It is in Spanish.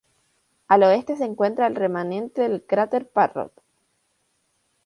Al oeste se encuentra el remanente del cráter Parrot.